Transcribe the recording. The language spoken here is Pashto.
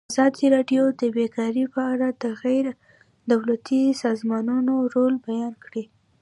ازادي راډیو د بیکاري په اړه د غیر دولتي سازمانونو رول بیان کړی.